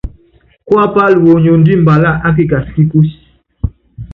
Kuapála woniondí mbalá a kikas ki kúsí.